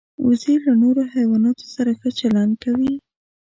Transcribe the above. وزې له نورو حیواناتو سره ښه چلند کوي